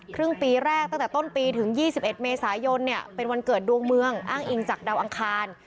ครึ่งปีแรกตั้งแต่ต้นปีถึง๒๑เมษายนเนี่ยเป็นวันเกิดดวงเมืองอ้างอิงจากดาวอังคาร